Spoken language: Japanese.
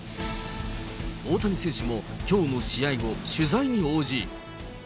大谷選手もきょうの試合後、取材に応じ。